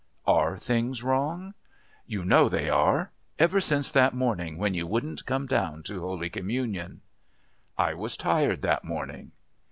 "Are things wrong?" "You know they are ever since that morning when you wouldn't come to Holy Communion." "I was tired that morning."